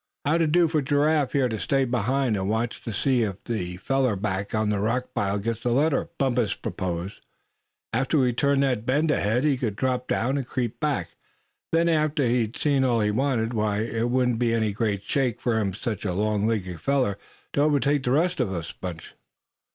"How'd it do for Giraffe here to stay behind, and watch to see if that feller back of the rock pile gets the letter?" Bumpus proposed. "After we turned that bend ahead he could drop down, and creep back. Then, after he'd seen all he wanted, why it wouldn't be any great shake for such a long legged feller to overtake the rest of the bunch."